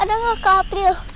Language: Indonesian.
ada gak kapil